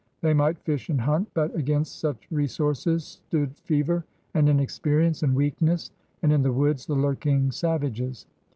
They might fish and himt, but against such resources stood fever and inexperience and weakness, and in the woods the lurking sav ages.